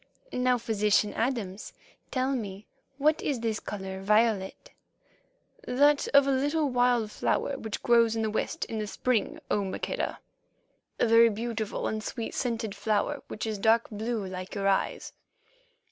Now, physician Adams, tell me what is this colour vi o let?" "That of a little wild flower which grows in the West in the spring, O Maqueda—a very beautiful and sweet scented flower which is dark blue like your eyes."